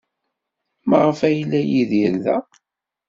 Maɣef ay yella Yidir da?